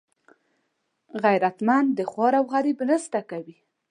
غیرتمند د خوار او غریب مرسته کوي